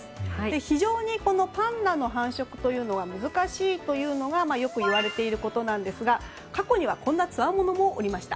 非常にこのパンダの繁殖というのは難しいというのがよくいわれていることなんですが過去にはこんなつわものもおりました。